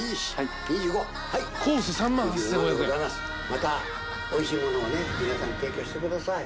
またおいしいものを皆さんに提供してください。